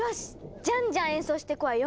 じゃんじゃん演奏してくわよ。